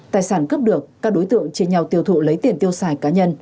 tài sản cướp được các đối tượng chia nhau tiêu thụ lấy tiền tiêu xài cá nhân